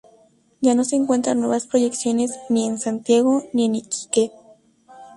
Ya no se encuentran nuevas proyecciones ni en Santiago, ni en Iquique.